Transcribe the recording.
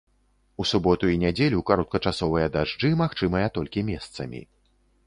У суботу і нядзелю кароткачасовыя дажджы магчымыя толькі месцамі.